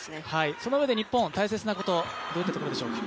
そのうえで日本、大切なところはどういったところでしょうか。